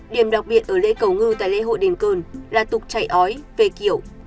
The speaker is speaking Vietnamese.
điểm đặc biệt ở lễ cầu ngư tại lễ hội đền cơn là tục chạy ói về kiểu